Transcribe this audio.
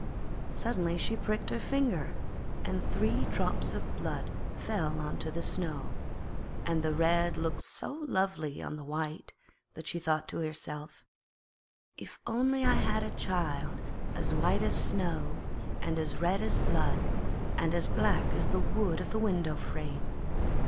Suddenly she pricked her finger and three drops of blood fell on to the snow. And the red looked so lovely on the white that she thought to herself: 'If only I had a child as white as snow and as red as blood, and as black as the wood of the window frame!'